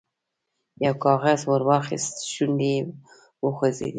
یو کاغذ ور واخیست، شونډې یې وخوځېدې.